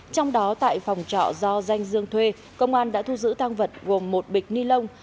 trong đó tại phòng trọ do danh dương thuê công an đã thu giữ tăng vật gồm một bịch ni lông